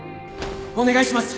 お願いします！